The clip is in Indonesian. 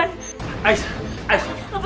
enggak kak kakak udah keterlaluan